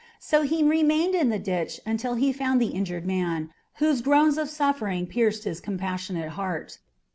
So he remained in the ditch until he found the injured man whose groans of suffering pierced his compassionate heart.